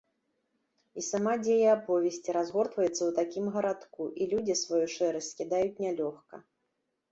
І сама дзея аповесці разгортваецца ў такім гарадку, і людзі сваю шэрасць скідаюць нялёгка.